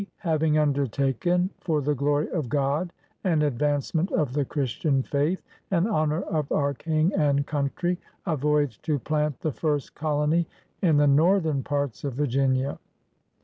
having undertaken, for the glory of God and advancement of the Christian faith, and honor of our King and Coimtry , a voyage to plant the first colony in the northern parts of Virginia —